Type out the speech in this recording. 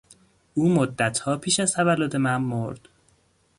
او مدتها پیش از تولد من مرد.